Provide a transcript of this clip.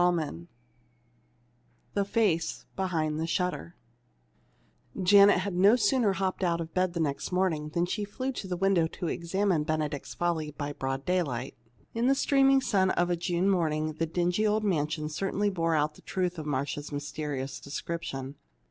CHAPTER II THE FACE BEHIND THE SHUTTER Janet had no sooner hopped out of bed next morning than she flew to the window to examine "Benedict's Folly" by broad daylight. In the streaming sun of a June morning the dingy old mansion certainly bore out the truth of Marcia's mysterious description.